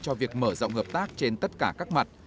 cho việc mở rộng hợp tác trên tất cả các mặt